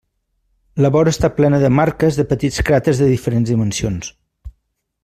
La vora està plena de marques de petits cràters de diferents dimensions.